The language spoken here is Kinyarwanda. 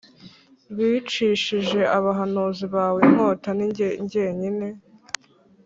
bicishije abahanuzi bawe inkota Ni jye jyenyine